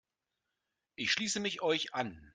Ich schließe mich euch an.